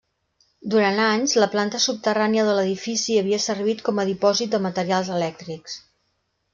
Durant anys, la planta subterrània de l'edifici havia servit com a dipòsit de materials elèctrics.